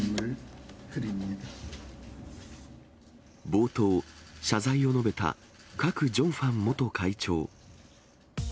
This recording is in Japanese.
冒頭、謝罪を述べたクァク・ジョンファン元会長。